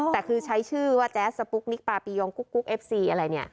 แต่คือใช้ชื่อว่าแจ๊สสปุ๊กนิกปาปียงกุ๊กเอฟซีอะไรเนี่ย